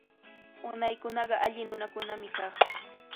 Unaykunaqa alli nunakunami kaq.